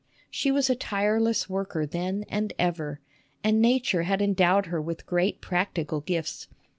She was a tireless worker then and ever, and nature had endowed her with great practical gifts.